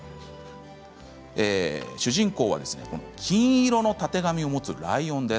主人公は金色のたてがみを持つライオン。